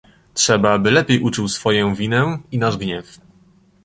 "Trzeba aby lepiej uczuł swoję winę i nasz gniew."